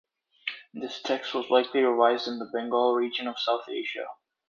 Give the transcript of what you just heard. This text was likely revised in the Bengal region of South Asia.